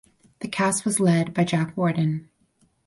The cast was led by Jack Warden.